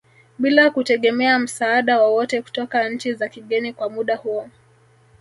Bila kutegemea msaada wowote kutoka nchi za kigeni kwa muda huo